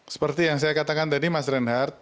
seperti yang saya katakan tadi mas reinhardt